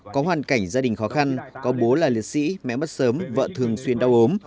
có hoàn cảnh gia đình khó khăn có bố là liệt sĩ mẹ mất sớm vợ thường xuyên đau ốm